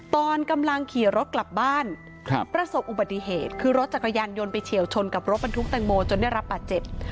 ตอนกำลังขี่รถกลับบ้านประสบอุบัติเหตุคือรถจักรยานยนต์ไปเฉียวชนกับรถบรรทุกแตงโมจนได้รับบาดเจ็บ